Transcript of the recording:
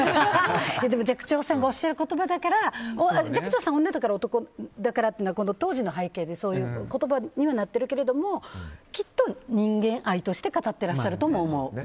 でも寂聴さんがおっしゃる言葉だから寂聴さんは女だから、男だからって当時の背景で、そういう言葉にはなっているけどもきっと人間愛として語ってらっしゃるとも思う。